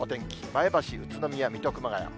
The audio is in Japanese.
前橋、宇都宮、水戸、熊谷。